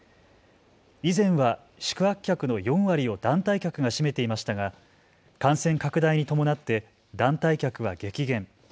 以前は宿泊客の４割を団体客が占めていましたが感染拡大に伴って団体客は激減。